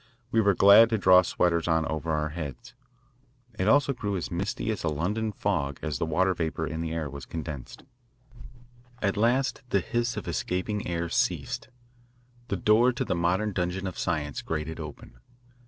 We were glad to draw sweaters on over our heads. It also grew as misty as a London fog as the water vapour in the air was condensed. At last the hiss of escaping air ceased. The door to the modern dungeon of science grated open.